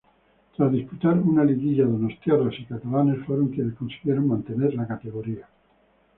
Tras disputar una liguilla, donostiarras y catalanes fueron quienes consiguieron mantener la categoría.